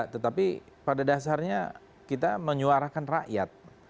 tetapi pada dasarnya kita menyuarakan rakyat